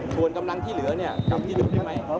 ควรกำลังที่เหลือเนี่ยกำที่หยุดสิบลึงไหม